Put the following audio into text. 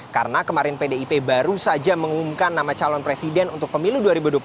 karena kemarin pdip baru saja mengumumkan nama calon presiden untuk pemilu dua ribu dua puluh empat